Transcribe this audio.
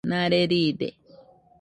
Nare riide